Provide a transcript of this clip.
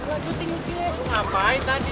eh lu ngapain tadi